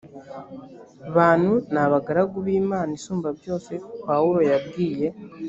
bantu ni abagaragu b imana isumbabyose pawulo yabwiye